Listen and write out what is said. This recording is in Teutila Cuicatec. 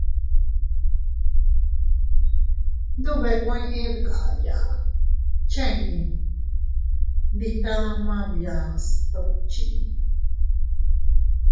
Tndubekuen dkaya cheʼe ndi tama bia sdukchi.